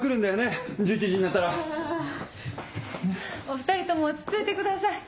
お２人とも落ち着いてください。